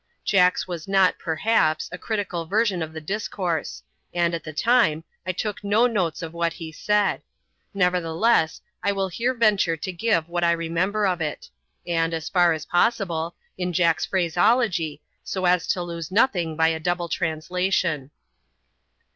Jack's was not, perhaps, a critical version of the discourse; and, at the time, I took no notes of what he said. Neverthe less, I will here venture to give what I remember of it ; and, as far as possible, in Jack's phraseology, so as to lose nothing by a double translation.